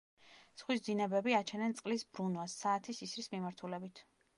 ზღვის დინებები აჩენენ წყლის ბრუნვას საათის ისრის მიმართულებით.